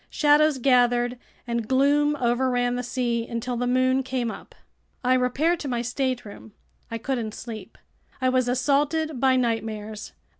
Shadows gathered and gloom overran the sea until the moon came up. I repaired to my stateroom. I couldn't sleep. I was assaulted by nightmares.